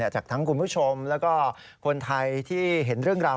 จากทั้งคุณผู้ชมแล้วก็คนไทยที่เห็นเรื่องราว